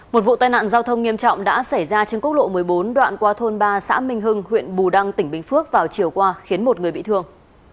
một vụ tai nạn giao thông nghiêm trọng đã xảy ra trên quốc lộ một mươi bốn đoạn qua thôn ba xã minh hưng huyện bù đăng tỉnh bình phước vào chiều qua khiến một người bị thương